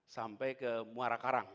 sampai ke muara karang